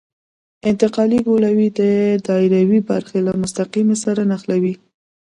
انتقالي ګولایي دایروي برخه له مستقیمې سره نښلوي